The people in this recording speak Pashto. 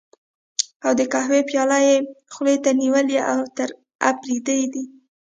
او د قهوې پياله یې خولې ته نیولې، اوتر اپرېدی دی.